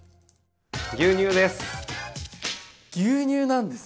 牛乳です。